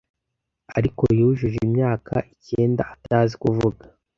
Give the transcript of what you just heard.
ariko yujuje imyaka icyenda atazi kuvuga